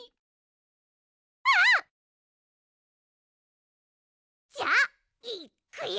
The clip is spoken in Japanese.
うん！じゃあいっくよ！